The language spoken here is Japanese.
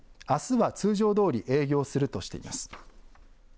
あすは通常どおり営業するとしています。